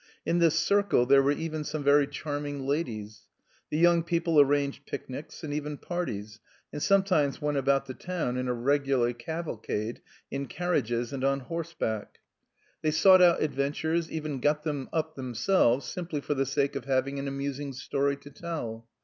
In this circle there were even some very charming ladies. The young people arranged picnics, and even parties, and sometimes went about the town in a regular cavalcade, in carriages and on horseback. They sought out adventures, even got them up themselves, simply for the sake of having an amusing story to tell.